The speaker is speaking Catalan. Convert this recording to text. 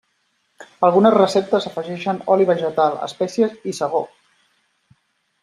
Algunes receptes afegixen oli vegetal, espècies i segó.